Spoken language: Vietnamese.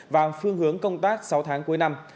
và phương hướng công tác sáu tháng cuối năm